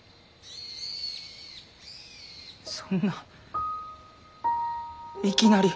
そんないきなり。